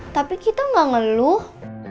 tapi kita gak ngeluh